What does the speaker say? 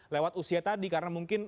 lewat usia tadi karena mungkin